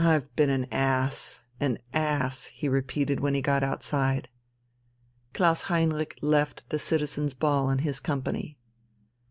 "I've been an ass, an ass!" he repeated when he got outside. Klaus Heinrich left the Citizens' Ball in his company.